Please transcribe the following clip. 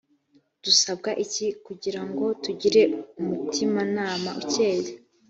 dusabwa iki kugira ngo tugire umutimanama ukeye